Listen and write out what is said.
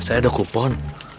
saya ada kupon